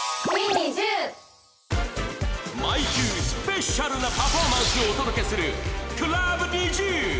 毎週スペシャルなパフォーマンスをお届けするＣｌｕＢＮｉｚｉＵ